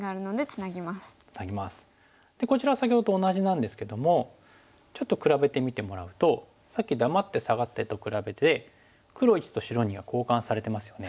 こちらは先ほどと同じなんですけどもちょっと比べてみてもらうとさっき黙ってサガってと比べて黒①と白②が交換されてますよね。